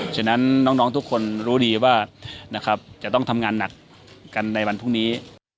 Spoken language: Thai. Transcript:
ฉะนั้นน้องทุกคนรู้ดีว่าจะต้องทำงานหนักกันในวันพรุ่งนี้